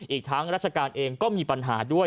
อีกทั้งราชการเองก็มีปัญหาด้วย